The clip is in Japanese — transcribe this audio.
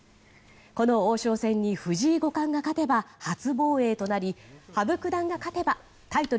この王将戦に藤井五冠が勝てば初防衛となり羽生九段が勝てばタイトル